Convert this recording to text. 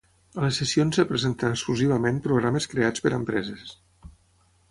A les sessions es presenten exclusivament programes creats per empreses.